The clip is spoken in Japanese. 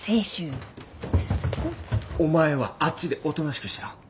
お前はあっちでおとなしくしてろ。